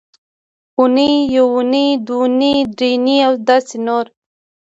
اونۍ یونۍ دونۍ درېنۍ او داسې نور